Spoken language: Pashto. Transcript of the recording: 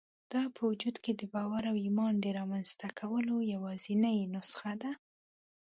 دا په وجود کې د باور او ايمان د رامنځته کولو يوازېنۍ نسخه ده.